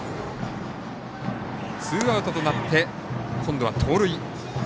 ツーアウトになって今度は盗塁。